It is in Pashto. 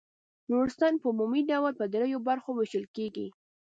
نورستان په عمومي ډول په دریو برخو وېشل کیږي.